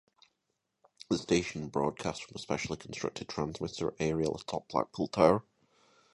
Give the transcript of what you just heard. The station broadcasts from a specially-constructed transmitter aerial atop Blackpool Tower.